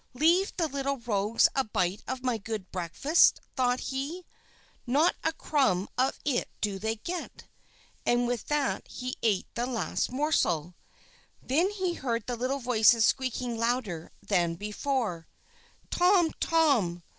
"Leave the little rogues a bite of my good breakfast!" thought he, "not a crumb of it do they get!" And with that he ate the last morsel. Then he heard the little voices squeaking louder than before: "Tom! Tom!